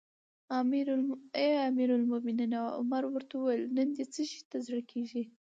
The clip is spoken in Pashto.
اې امیر المؤمنینه! عمر ورته وویل: نن دې څه شي ته زړه کیږي؟